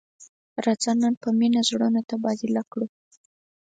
راځه نن په مینه زړونه تبادله کړو.